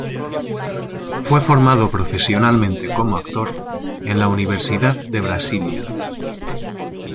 Fue formado profesionalmente como actor en la Universidad de Brasilia.